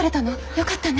よかったね。